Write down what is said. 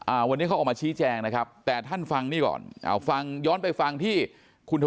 อ่าวันนี้เขาออกมาชี้แจงนะครับแต่ท่านฟังนี่ก่อน